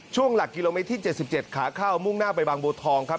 หลักกิโลเมตรที่๗๗ขาเข้ามุ่งหน้าไปบางบัวทองครับ